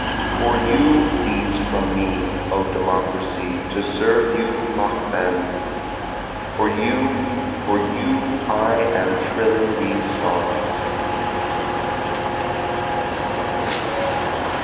For you these from me, O Democracy, to serve you ma femme! For you, for you I am trilling these songs.